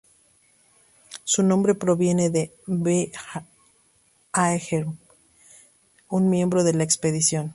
Su nombre proviene de B. Ahern, un miembro de la expedición.